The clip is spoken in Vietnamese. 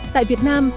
tại việt nam